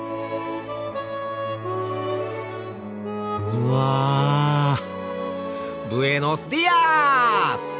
うわブエノスディアス！